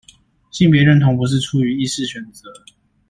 性別認同不是出於意識選擇